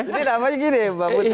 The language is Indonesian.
jadi namanya gini ya mbak bun